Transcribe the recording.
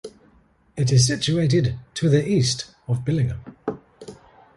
It is situated to the east of Billingham.